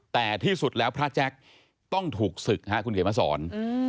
แต่ที่สุดแล้วพระแจ็คต้องถูกศึกนะครับคุณเกดมาสอน